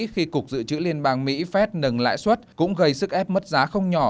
khi cục dự trữ liên bang mỹ phép nâng lãi suất cũng gây sức ép mất giá không nhỏ